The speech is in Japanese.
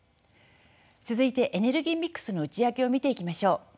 続いてエネルギーミックスの内訳を見ていきましょう。